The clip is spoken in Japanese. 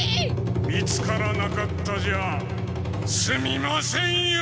見つからなかったじゃすみませんよ！